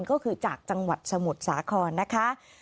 ก็คือจากจังหวัดสมุทรสาครนะคะ